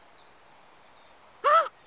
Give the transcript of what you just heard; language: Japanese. あっ！